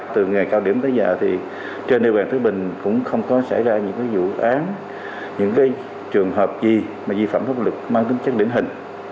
từ ngày cao điểm tới giờ trên địa bàn thứ bình cũng không có xảy ra những vụ án những trường hợp gì mà di phẩm pháp lực mang tính chất điểm hình